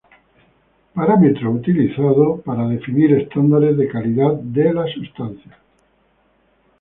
Parámetro utilizado para definir estándares de calidad de las sustancias.